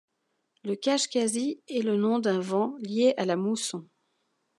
Le kashkazi est le nom d'un vent, lié à la mousson.